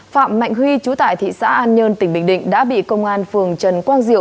phạm mạnh huy chú tại thị xã an nhơn tỉnh bình định đã bị công an phường trần quang diệu